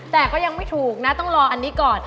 แต่ก็ยังไม่ถูกนะต้องรออันนี้ก่อน